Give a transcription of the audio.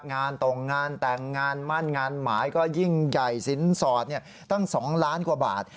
งานตรงงานแต่งงานมั่นงานหมายก็ยิ่งใหญ่สินสอดตั้ง๒ล้านกว่าบาท